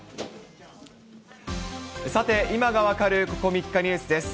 さて、今が分かるここ３日ニュースです。